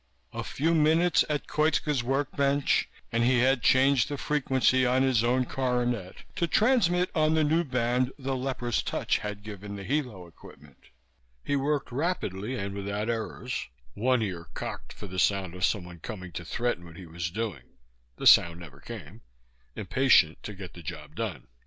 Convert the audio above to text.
A few minutes at Koitska's work bench, and he had changed the frequency on his own coronet to transmit on the new band the leper's touch had given the Hilo equipment. He worked rapidly and without errors, one ear cocked for the sound of someone coming to threaten what he was doing (the sound never came), impatient to get the job done.